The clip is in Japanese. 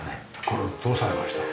これどうされました？